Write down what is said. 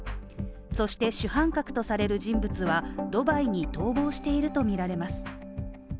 そして主犯格とされる人物はドバイに逃亡しているとみられます。